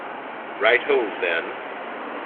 Right ho, then.